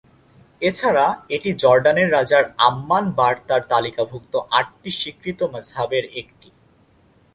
এছাড়া, এটি জর্ডানের রাজার আম্মান বার্তার তালিকাভুক্ত আটটি স্বীকৃত মাযহাবের একটি।